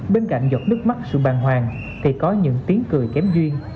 bên cạnh giọt nước mắt sự bàng hoàng thì có những tiếng cười kém duyên